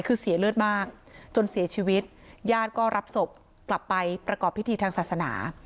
คือเสียเลือดมากจนเสียชีวิตญาติก็รับศพกลับไปประกอบพิธีทางศาสนา